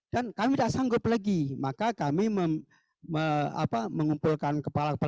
dan kami tidak sanggup lagi maka kami mengumpulkan kepala kepala